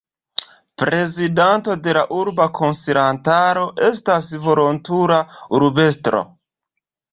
Prezidanto de la urba konsilantaro estas volontula urbestro.